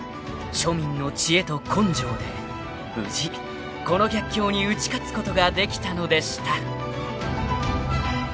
［庶民の知恵と根性で無事この逆境に打ち勝つことができたのでした］